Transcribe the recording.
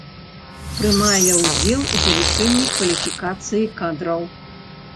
Прымае удзел у павышэнні кваліфікацыі кадраў.